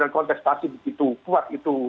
kontestasi begitu kuat itu